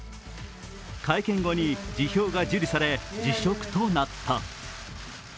会見後に辞表が受理され、辞職となった。